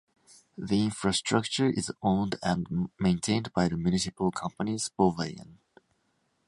The infrastructure is owned and maintained by the municipal company Sporveien.